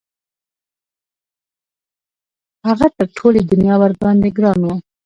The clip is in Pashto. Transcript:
هغه تر ټولې دنیا ورباندې ګران وو.